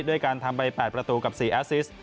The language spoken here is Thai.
ด้วยการทำไป๘ประตูกับ๔แอสซิส